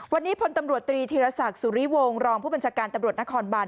วันนี้พลตำรวจตรีธีรศักดิ์สุริวงศ์รองผู้บัญชาการตำรวจนครบาน